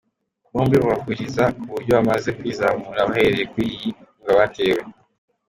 Bombi bahuriza ku buryo bamaze kwizamura bahereye kuri iyi nkunga batewe.